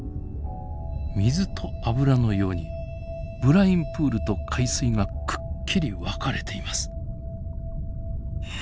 水と油のようにブラインプールと海水がくっきり分かれています。